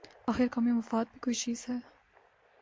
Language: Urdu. آخر قومی مفاد بھی کوئی چیز ہے۔